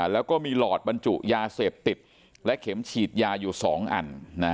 แล้วก็มีหลอดบรรจุยาเสพติดและเข็มฉีดยาอยู่๒อัน